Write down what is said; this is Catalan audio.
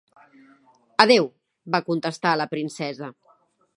"Adeu", va contestar la princesa.